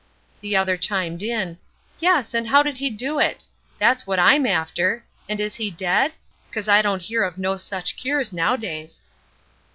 The other chimed in: "Yes, and how did he do it? That's what I'm after. And is he dead? 'cause I don't hear of no such cures now days."